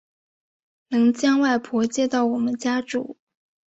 能将外婆接到我们家住